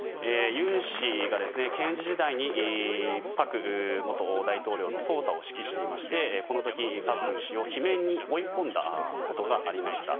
尹氏が検事時代に朴元大統領の捜査を指揮していましてこの時、朴氏を罷免に追い込んだことがありました。